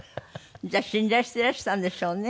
じゃあ信頼していらしたんでしょうね。